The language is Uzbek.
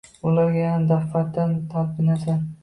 Ularga yana daf’atan talpinasan.